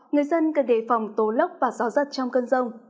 người dân cần đề phòng tố lốc và gió giật trong cơn rông